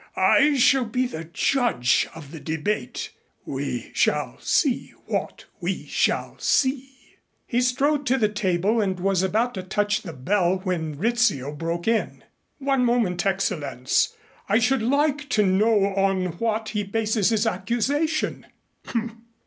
I shall be the judge of the debate. We shall see what we shall see." He strode to the table and was about to touch the bell when Rizzio broke in. "One moment, Excellenz. I should like to know on what he bases his accusation."